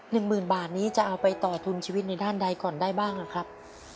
หนึ่งหมื่นบาทนี้จะเอาไปต่อทุนชีวิตในด้านใดก่อนได้บ้างนะครับ